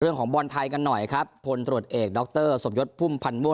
เรื่องของบอลไทยกันหน่อยครับพลตรวจเอกดรสมยศพุ่มพันโมง